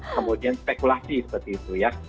kemudian spekulasi seperti itu ya